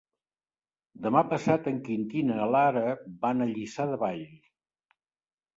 Demà passat en Quintí i na Lara van a Lliçà de Vall.